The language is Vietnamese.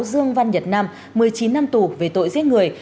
dương văn nhật nam một mươi chín năm tù về tội giết người